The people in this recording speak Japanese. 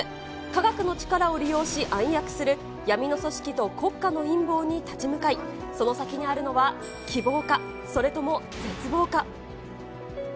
科学の力を利用し暗躍する闇の組織と国家の陰謀に立ち向かい、その先にあるのは希望か、それとも絶望か。